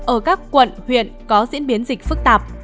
ở các quận huyện có diễn biến dịch phức tạp